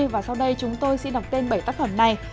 và sau đây chúng tôi xin đọc tên bảy tác phẩm này